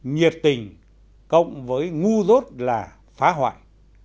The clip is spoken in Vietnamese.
nhiệt tình cộng với ngu rốt là phá hoại